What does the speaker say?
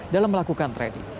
dalam melakukan trading